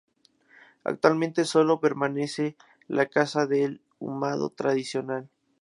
Actualmente solo permanece la casa de ahumado tradicional.